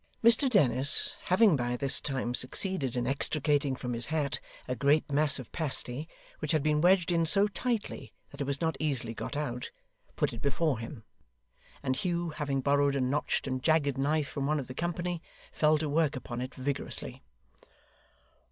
Mr Dennis, having by this time succeeded in extricating from his hat a great mass of pasty, which had been wedged in so tightly that it was not easily got out, put it before him; and Hugh, having borrowed a notched and jagged knife from one of the company, fell to work upon it vigorously.